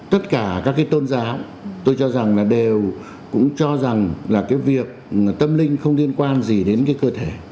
tất cả các cái tôn giáo tôi cho rằng là đều cũng cho rằng là cái việc tâm linh không liên quan gì đến cái cơ thể